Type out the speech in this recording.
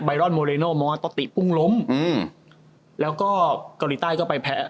บายรอลโมเรนโอมองว่าตอตติพุ่งล้มอืมแล้วก็เกาหลีใต้ก็ไปแพ้อ่า